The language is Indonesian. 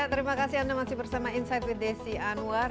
terima kasih anda masih bersama insight with desi anwar